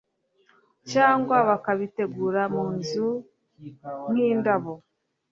cyangwa bakabitegura mu nzu nkindabo